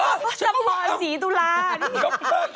เออชิคกี้พายจับปอนด์ศรีตุลาณ